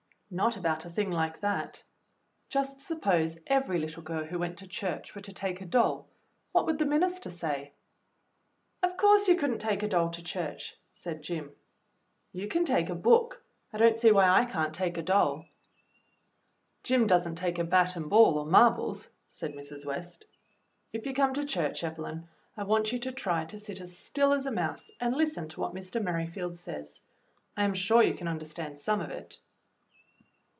"Not about a thing like that. Just suppose every little girl who went to church were to take a doll, what would th^ minister say?" "Of course you could n't take a doll to church," said Jim. "You can take a book. I don't see why I can't take a doll." 42 THE BLUE AUNT "Jim does n't take a bat and ball or marbles," said Mrs. West. "If you come to church, Evelyn, I want you to try to sit as still as a mouse and listen to what Mr. Merrifield says. I am sure you can understand some of it."